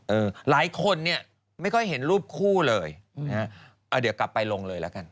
หลายคนเนี่ยไม่ค่อยเห็นรูปคู่เลยนะฮะอ่าเดี๋ยวกลับไปลงเลยละกัน